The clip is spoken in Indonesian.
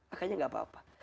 akhirnya gak apa apa